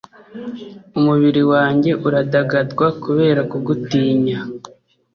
umubiri wanjye uradagadwa kubera kugutinya